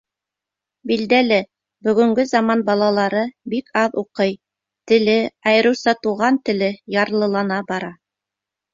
Билдәле: бөгөнгө заман балалары бик аҙ уҡый, теле, айырыуса туған теле, ярлылана бара.